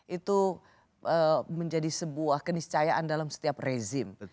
itu menjadi sebuah keniscayaan dalam setiap rezim